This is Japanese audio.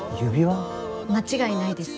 間違いないです。